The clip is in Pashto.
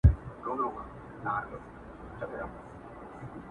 کلي مو وسوځیږي؛